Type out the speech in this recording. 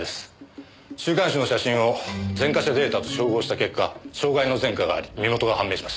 週刊誌の写真を前科者データと照合した結果傷害の前科があり身元が判明しました。